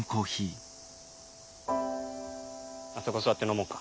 あそこ座って飲もうか。